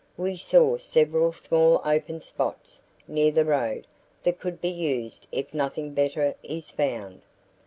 We saw several small open spots near the road that could be used if nothing better is found.